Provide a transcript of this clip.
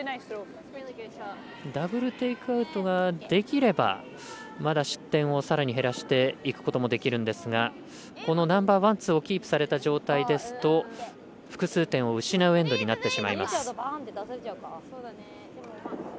ダブル・テイクアウトができればまだ失点をさらに減らしていくこともできるんですがこのナンバーワン、ツーをキープされた状態ですと複数点を失う展開にはなってしまいます。